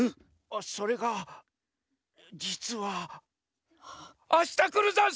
それがじつはあしたくるざんすよ！